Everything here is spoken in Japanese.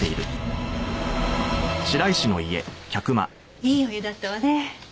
いいお湯だったわね。